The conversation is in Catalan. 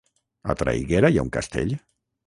A Traiguera hi ha un castell?